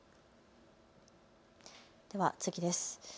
では次です。